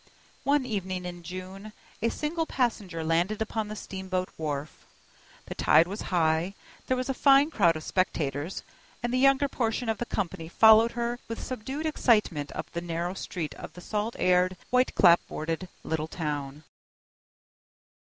One evening in June, a single passenger landed upon the steamboat wharf. The tide was high, there was a fine crowd of spectators, and the younger portion of the company followed her with subdued excitement up the narrow street of the salt aired, white clapboarded little town.